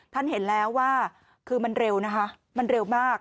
ท่านเห็นแล้วว่าคือมันเร็วนะคะมันเร็วมาก